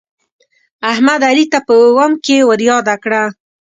احمد، علي ته په اوم کې ورياده کړه.